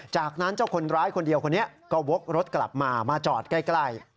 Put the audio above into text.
จากนั้นเจ้าคนร้ายคนเดียวคนนี้ก็วกรถกลับมามาจอดใกล้